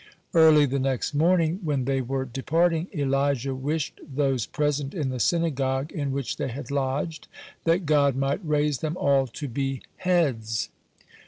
Early the next morning, when they were departing, Elijah wished those present in the synagogue in which they had lodged, that God might raise them all to be "heads."